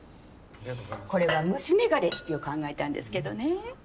これは娘がレシピを考えたんですけどね。